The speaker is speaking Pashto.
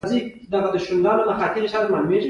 شاه محمود بشپړ کړ.